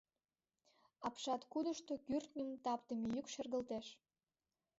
Апшаткудышто кӱртньым таптыме йӱк шергылтеш.